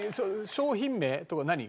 商品名とか何？